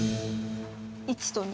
１と２。